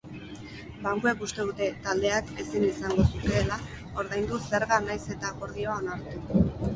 Bankuek uste dute taldeak ezin izango zukeela ordaindu zerga nahiz eta akordioa onartu.